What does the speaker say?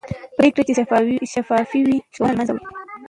پرېکړې چې شفافې وي شکونه له منځه وړي